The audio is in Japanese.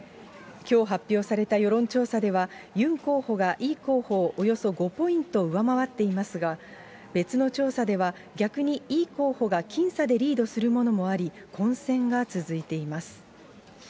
きょう発表された世論調査では、ユン候補がイ候補をおよそ５ポイント上回っていますが、別の調査では、逆にイ候補が僅差でリードするものもあり、混戦が続いています。